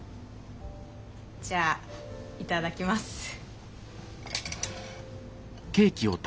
じゃあいただきます。